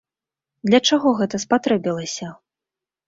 Для чаго гэта спатрэбілася?